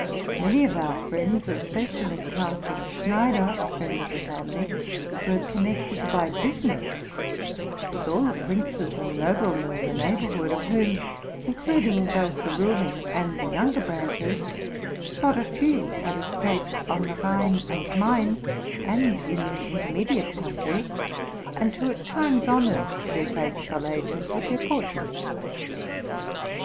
Many of our friends, es pecially Councillor Schneider, a friend of the family, were connected by business with all the princes and noblemen of the neighborhood, of whom, including both the ruling and the younger branches, not a few had estates on the Rhine and Main, and in the intermediate country, and who at times honored their faithful agents with their portraits.